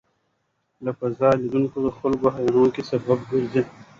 له فضا لیدل د خلکو د حېرانتیا سبب ګرځي.